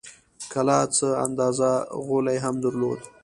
کلا څه اندازه غولی هم درلود.